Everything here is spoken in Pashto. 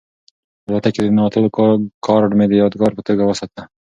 الوتکې ته د ننوتلو کارډ مې د یادګار په توګه وساته.